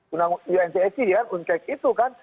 undang undang uncac itu kan